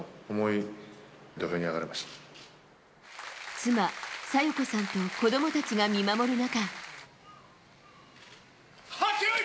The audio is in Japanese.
妻・紗代子さんと子供たちが見守る中。